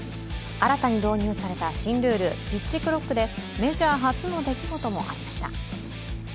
新たに導入された新ルールピッチクロックでメジャー初の出来事もありました。